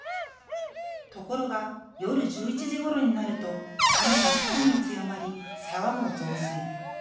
ところが夜１１時ごろになると雨がさらに強まり、沢も増水。